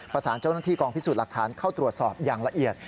ประสานเจ้านักฐีกรรมพิสูจน์หลักฐานเข้าตรวจสอบอย่างละเอียด